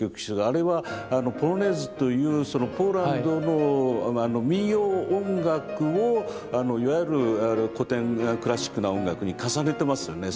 あれはポロネーズというそのポーランドの民謡音楽をいわゆる古典クラシックな音楽に重ねてますよね。